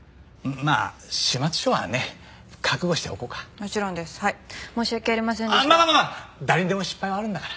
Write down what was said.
まあまあまあまあ誰にでも失敗はあるんだから。